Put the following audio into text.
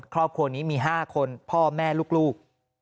ครอบครัวนี้มี๕คนพ่อแม่ลูก